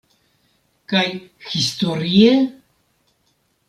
Kaj historie?